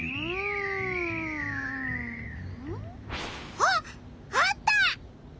あっあった！